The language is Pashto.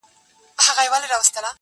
• احوال یې کښلی زموږ د ښار دی -